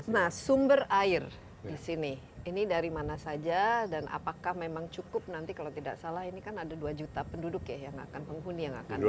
nah sumber air di sini ini dari mana saja dan apakah memang cukup nanti kalau tidak salah ini kan ada dua juta penduduk ya yang akan penghuni yang akan datang